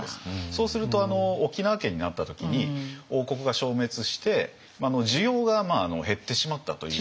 そうすると沖縄県になった時に王国が消滅して需要が減ってしまったというのが。